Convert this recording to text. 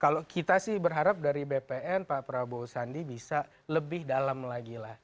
kalau kita sih berharap dari bpn pak prabowo sandi bisa lebih dalam lagi lah